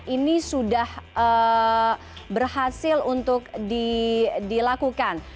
ini sudah berhasil untuk dilakukan